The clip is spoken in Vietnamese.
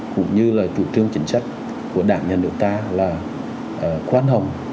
cũng như là chủ trương chính sách của đảng nhân lực ta là quan hồng